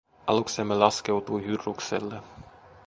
Aluksemme laskeutui Hydrukselle.